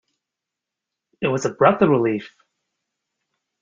It was a breath of relief.